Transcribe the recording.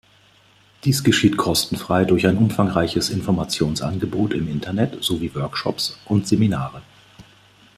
Dies geschieht kostenfrei durch ein umfangreiches Informationsangebot im Internet sowie Workshops und Seminare.